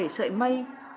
bảy sợi mây